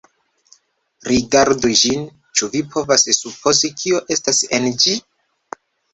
Rigardu ĝin; ĉu vi povas supozi kio estas en ĝi?